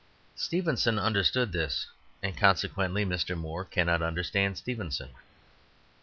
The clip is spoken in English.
Stevenson understood this, and consequently Mr. Moore cannot understand Stevenson.